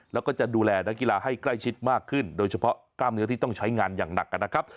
แล้วก็จะดูแลนักกีฬาให้ใกล้ชิดมากขึ้นโดยเฉพาะกล้ามเนื้อที่ต้องใช้งานอย่างหนักนะครับ